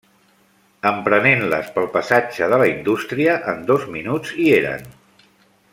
Emprenent-les pel passatge de la Indústria, en dos minuts hi eren.